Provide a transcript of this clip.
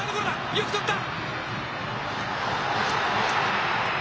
よく捕った！